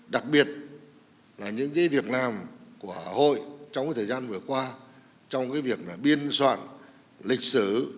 đặc biệt là những việc làm của hội trong thời gian vừa qua trong việc biên soạn lịch sử